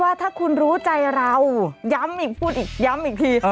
ว่าถ้าคุณรู้ใจเราย้ำอีกพูดอีกย้ำอีกที